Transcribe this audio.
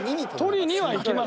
捕りには行きます。